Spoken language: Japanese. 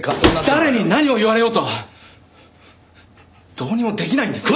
誰に何を言われようとどうにもできないんです。